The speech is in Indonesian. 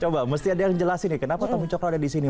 coba mesti ada yang jelasin nih kenapa tommy cokro ada disini